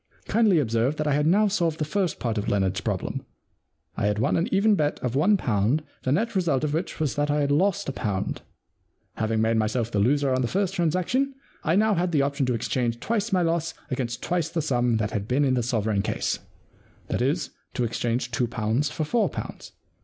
Kindly observe that I had now solved the first part of Leonard's problem. I had won an even bet of one pound the net result of which was that I had lost a pound. Having made my self the loser on the first transaction, I now had the option to exchange twice my loss against twice the sum that had been in the sovereign 79 The Problem Club case — that is, to exchange two pounds for four pounds.